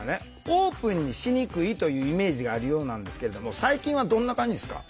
オープンにしにくいというイメージがあるようなんですけれども最近はどんな感じですか？